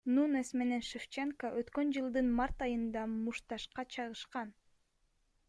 Нунес менен Шевченко өткөн жылдын март айында мушташка чыгышкан.